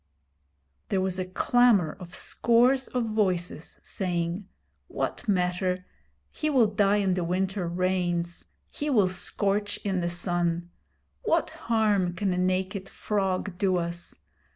There was a clamour of scores of voices, saying: 'What matter? He will die in the winter rains. He will scorch in the sun. What harm can a naked frog do us?